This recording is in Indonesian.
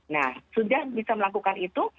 nah sudah bisa melakukan itu